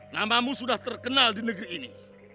namamu sudah terkenal di negeri ini